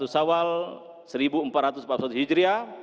satu sawal seribu empat ratus empat puluh satu hijriah